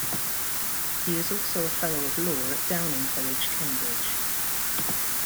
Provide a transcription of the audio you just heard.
He is also a fellow of Law at Downing College, Cambridge.